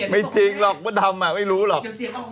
ไม่จริงหรอกว่าดำไม่รู้หรอก